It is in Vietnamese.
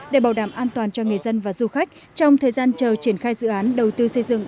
để bảo đảm an toàn cho người dân và du khách trong thời gian chờ triển khai dự án đầu tư xây dựng